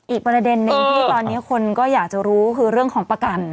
อีกประเด็นนึงที่ตอนนี้คนก็อยากจะรู้คือเรื่องของประกัน